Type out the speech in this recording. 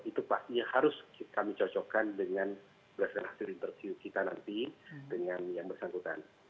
itu pastinya harus kami cocokkan dengan berdasarkan hasil interview kita nanti dengan yang bersangkutan